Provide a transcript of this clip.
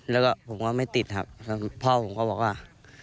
แล้วก็ผมก็ไม่ติดครับพ่อผมก็บอกว่า